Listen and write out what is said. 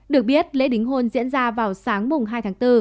được biết lễ đính hôn diễn ra vào sáng mùng hai tháng bốn